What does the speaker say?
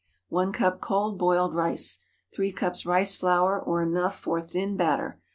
1 cup cold boiled rice. 3 cups rice flour, or enough for thin batter.